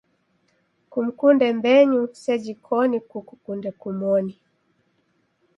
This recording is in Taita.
Kumkunde mbenyu seji koni kukukunde kumoni.